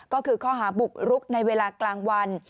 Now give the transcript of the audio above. ก็คือข้อหาบุกรุกในเวลากลางวัน